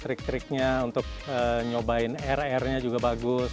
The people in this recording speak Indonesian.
trick tricknya untuk nyobain air airnya juga bagus